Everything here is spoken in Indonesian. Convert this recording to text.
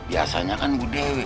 biasanya kan bu dewi